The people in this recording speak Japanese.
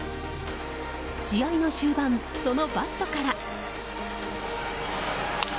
試合の終盤、そのバットから。